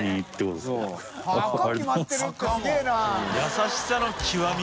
優しさの極み。